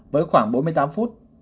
với khoảng bốn mươi tám phút